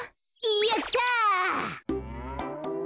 やった！